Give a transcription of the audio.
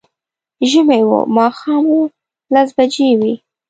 ژمی و، ماښام و، لس بجې وې